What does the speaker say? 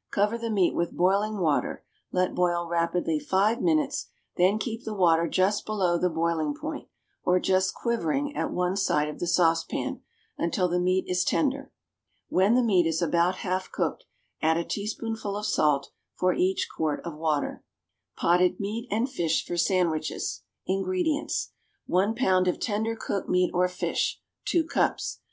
= Cover the meat with boiling water, let boil rapidly five minutes, then keep the water just below the boiling point, or just "quivering" at one side of the saucepan, until the meat is tender. When the meat is about half cooked, add a teaspoonful of salt for each quart of water. =Potted Meat and Fish for Sandwiches.= INGREDIENTS. 1 pound of tender cooked meat or fish (2 cups).